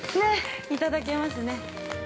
◆いただけますね。